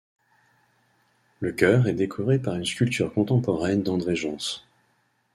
Le chœur est décoré par une sculpture contemporaine d'André Gence.